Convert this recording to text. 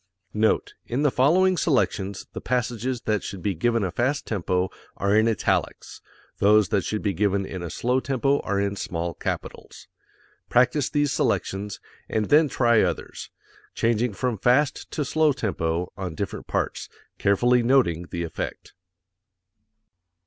Note: In the following selections the passages that should be given a fast tempo are in italics; those that should be given in a slow tempo are in small capitals. Practise these selections, and then try others, changing from fast to slow tempo on different parts, carefully noting the effect.